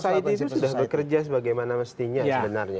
civil society itu sudah bekerja sebagaimana mestinya sebenarnya